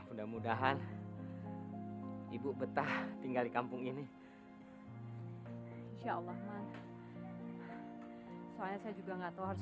mudah mudahan ibu betah tinggal di kampung ini insyaallah mana soalnya saya juga nggak tahu harus